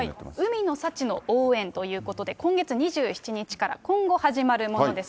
海の幸の応援ということで、今月２７日から、今後始まるものです。